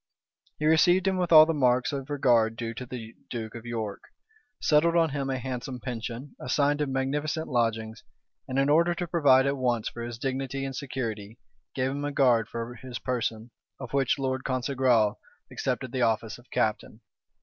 He received him with all the marks of regard due to the duke of York; settled on him a handsome pension, assigned him magnificent lodgings, and in order to provide at once for his dignity and security, gave him a guard for his person, of which Lord Congresal accepted the office of captain.